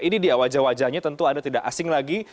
ini dia wajah wajahnya tentu anda tidak asing lagi